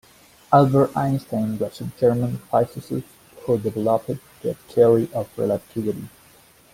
Albert Einstein was a German physicist who developed the Theory of Relativity.